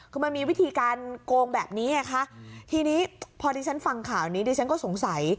คือมันมีวิธีการโกงแบบนี้ไงคะทีนี้พอดิฉันฟังข่าวนี้ดิฉันก็สงสัย